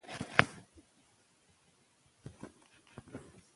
که مارکر وي نو لیکنه نه تتېږي.